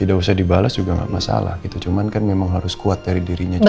tidak usah dibalas juga nggak masalah gitu cuman kan memang harus kuat dari dirinya juga